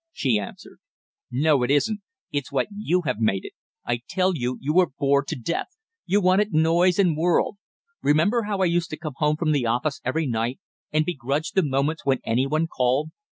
she answered. "No, it isn't; it's what you have made it! I tell you, you were bored to death; you wanted noise and world! Remember how I used to come home from the office every night, and begrudged the moments when any one called?